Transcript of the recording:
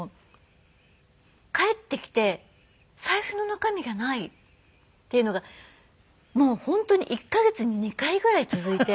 帰ってきて財布の中身がないっていうのがもう本当に１カ月に２回ぐらい続いて。